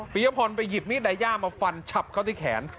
ยพรไปหยิบมีดไดย่ามาฟันฉับเข้าที่แขน